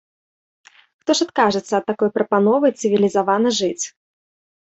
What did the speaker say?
Хто ж адкажацца ад такой прапановы цывілізавана жыць?